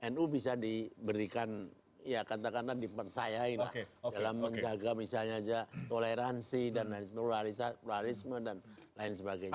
nu bisa diberikan ya kata kata dipercayain dalam menjaga toleransi dan lain sebagainya